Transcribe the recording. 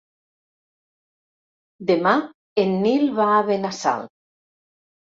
Demà en Nil va a Benassal.